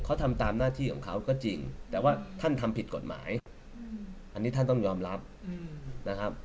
เขาทำตามหน้าที่ของเขาก็จริงแต่ว่าท่านทำผิดกฎหมายอันนี้ท่านต้องยอมรับนะครับ